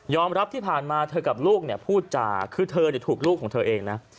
รับที่ผ่านมาเธอกับลูกเนี่ยพูดจาคือเธอถูกลูกของเธอเองนะ